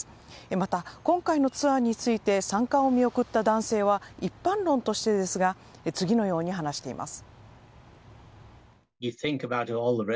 また、今回のツアーについて参加を見送った男性は一般論としてですが次のように話しています。